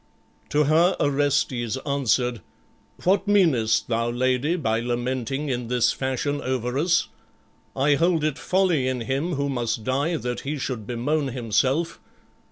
To her Orestes answered, "What meanest thou, lady, by lamenting in this fashion over us? I hold it folly in him who must die that he should bemoan himself.